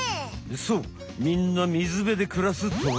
そうみんな水辺で暮らす鳥。